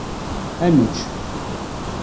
Ad nečč.